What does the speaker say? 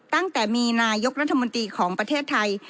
ตั้งแต่มีนายกรัฐมนตรีของประเทศไทย